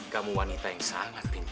kamu wanita yang sangat pintar